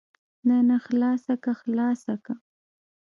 نه نه خلاصه که خلاصه که.